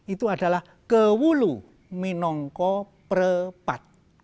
itu adalah kewulu minongko perpat